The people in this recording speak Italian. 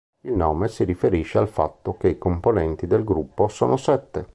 Il nome si riferisce al fatto che i componenti del gruppo sono sette.